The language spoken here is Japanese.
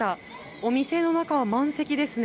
お店の中は満席ですね。